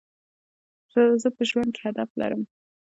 زه په ژوند کي هدف لرم.